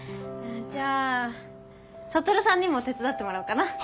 じゃあ羽さんにも手伝ってもらおうかな。